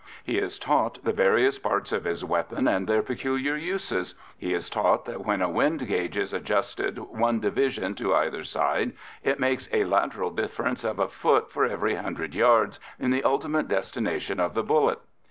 He is taught the various parts of his weapon and their peculiar uses; he is taught that when a wind gauge is adjusted one division to either side, it makes a lateral difference of a foot for every hundred yards in the ultimate destination of the bullet.